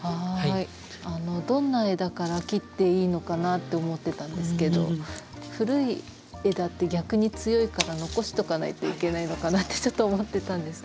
どんな枝から切っていいのかなって思ってたんですけど古い枝って逆に強いから残しとかないといけないのかなってちょっと思ってたんですけど